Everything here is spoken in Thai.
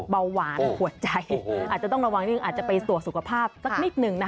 เบาหวานหัวใจอาจจะต้องระวังนิดนึงอาจจะไปตรวจสุขภาพสักนิดหนึ่งนะคะ